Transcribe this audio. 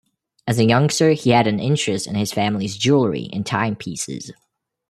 As a youngster he had an interest in his family's jewelry and time pieces.